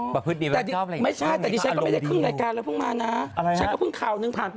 ประพฤติดีไว้ตรงกล้าวไหนอีกรอลงดีไม่ใช่แต่ดิฉันก็ไม่ได้ครึ่งรายการแล้วเพิ่งมานะ